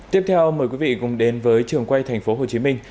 tiếp theo mời quý vị cùng đến với trường quay thành phố hồ chí minh